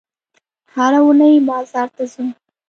هره اونۍ بازار ته ځم